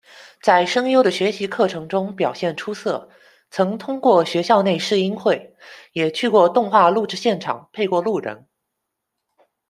在声优的学习课程中表现出色，曾通过学校内试音会，也去过动画录制现场配过路人。